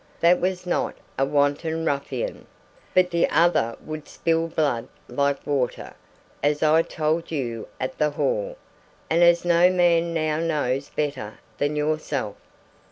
That was not a wanton ruffian; but the other would spill blood like water, as I told you at the hall, and as no man now knows better than yourself.